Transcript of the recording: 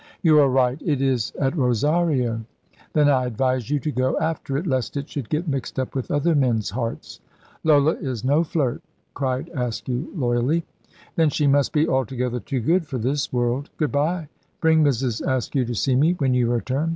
"You are right it is at Rosario." "Then I advise you to go after it, lest it should get mixed up with other men's hearts." "Lola is no flirt," cried Askew, loyally. "Then she must be altogether too good for this world. Good bye! Bring Mrs. Askew to see me when you return."